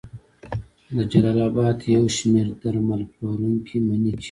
د جلال اباد یو شمېر درمل پلورونکي مني چې